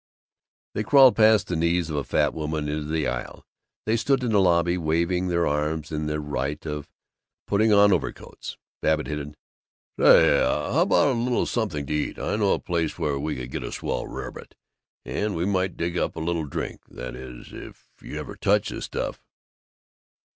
They crawled past the knees of fat women into the aisle; they stood in the lobby waving their arms in the rite of putting on overcoats. Babbitt hinted, "Say, how about a little something to eat? I know a place where we could get a swell rarebit, and we might dig up a little drink that is, if you ever touch the stuff."